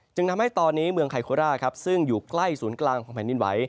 จึงทำให้ตอนนี้เมืองไคโคร่าซึ่งอยู่ใกล้ศูนย์กลางของแผ่นดินไหว